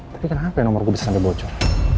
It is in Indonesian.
tapi kenapa nomor gue bisa sampai bocor